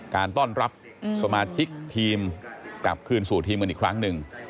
การต้อนรับสมาชิกทีมกลับคืนสู่ทีมกันอีกครั้งหนึ่ง